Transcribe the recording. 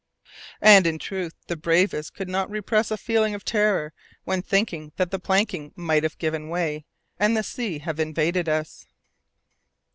And, in truth, the bravest could not repress a feeling of terror when thinking that the planking might have given way and the sea have invaded us.